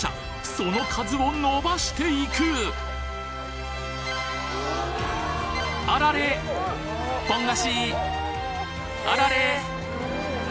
その数を伸ばしていくあられポン菓子あられ